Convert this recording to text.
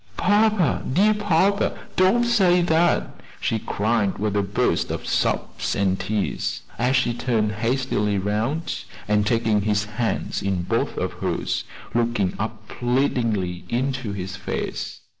"Papa, dear papa, don't say that," she cried with a burst of sobs and tears, as she turned hastily round, and taking his hand in both of hers, looked up pleadingly into his face.